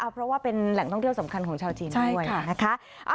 เพราะว่าเป็นแหล่งท่องเที่ยวสำคัญของชาวจีนด้วยนะคะ